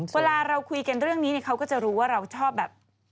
เวลาเราคุยกันเรื่องนี้เขาก็จะรู้ว่าเราชอบแบบ